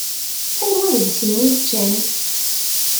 Anwa deg-sen i yeččan?